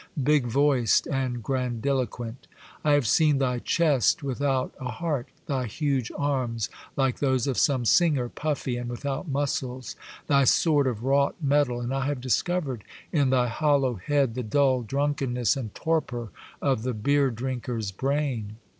big voiced and grandiloquent, I have seen thy chest without a heart, thy huge arms, like those of some singer, puffy and without muscles, thy sword of wrought metal, and I have discovered in thy hollow head the dull drunkenness and torpor of the beer drinker's brain.